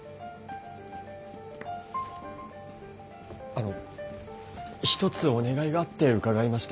あの一つお願いがあって伺いまして。